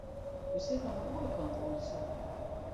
Der sit noch in oare kant oan de saak.